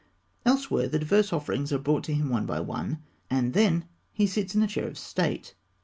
Elsewhere, the diverse offerings are brought to him one by one, and then he sits in a chair of state.